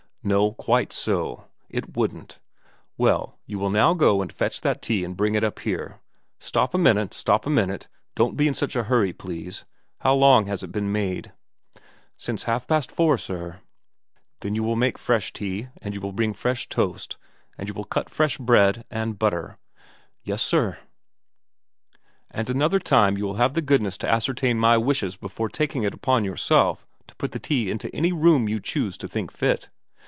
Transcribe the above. ' No. Quite so. It wouldn't. Well, you will now go and fetch that tea and bring it up here. Stop a minute, stop a minute don't be in such a hurry, please. How long has it been made ?'* Since half past four, sir.' 4 Then you will make fresh tea, and you will 256 VERA xxm make fresh toast, and you will cut fresh bread and butter.' ' Yes sir/ * And another time you will have the goodness to ascertain my wishes before taking upon yourself to put the tea into any room you choose to think fit.'